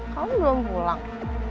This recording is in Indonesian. kamu belum pulang